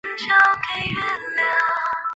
研议台北市东侧南北向捷运系统。